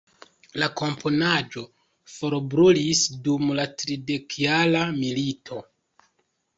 La komponaĵo forbrulis dum la Tridekjara Milito.